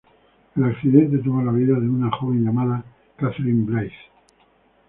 El accidente toma la vida de una joven llamada Katherine Blythe.